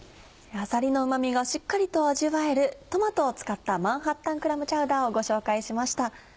あさりのうま味がしっかりと味わえるトマトを使った「マンハッタンクラムチャウダー」をご紹介しました。